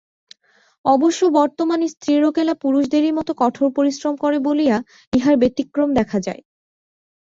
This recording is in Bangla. অবশ্য বর্তমানে স্ত্রীলোকেরা পুরুষদেরই মত কঠোর পরিশ্রম করে বলিয়া ইহার ব্যতিক্রম দেখা যায়।